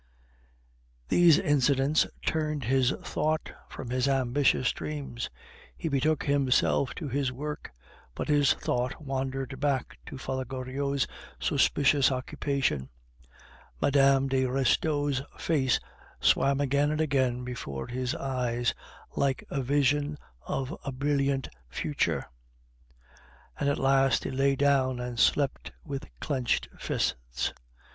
These incidents turned his thought from his ambitious dreams; he betook himself to his work, but his thought wandered back to Father Goriot's suspicious occupation; Mme. de Restaud's face swam again and again before his eyes like a vision of a brilliant future; and at last he lay down and slept with clenched fists.